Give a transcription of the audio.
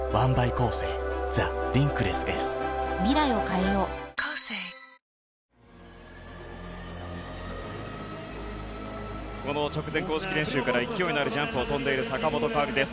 いろいろあったけど直前、公式練習から勢いの良いジャンプを跳んでいる坂本花織です。